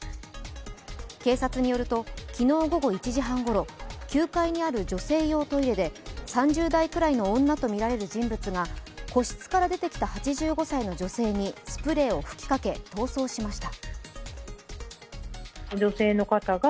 警察によると、昨日午後１時半ごろ９階にある女性用トイレで３０代くらいの女とみられる人物が個室から出て来た８５歳の女性にスプレーを吹きかけ逃走しました。